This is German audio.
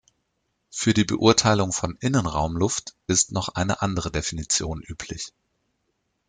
Für die Beurteilung von Innenraumluft ist noch eine andere Definition üblich.